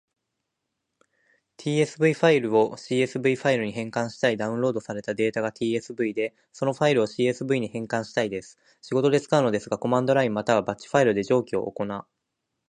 Q.tsv ファイルを csv ファイルに変換したいダウンロードされたデータが tsv で、そのファイルを csv に変換したいです。仕事で使うのですが、コマンドラインまたはバッチファイルで上記を行...